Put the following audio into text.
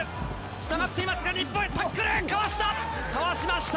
つながっていますが、日本、タックル、かわした！